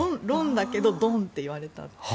ロンだけどドンって言われたと。